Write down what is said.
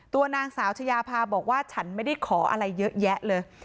ตัวนางสาวชายาพาบอกว่าฉันไม่ได้ขออะไรเยอะแยะเลย